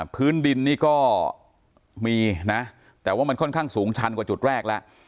พื้นดินนี่ก็มีนะแต่ว่ามันค่อนข้างสูงชันกว่าจุดแรกแล้ว